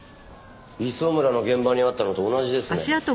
磯村の現場にあったのと同じですね。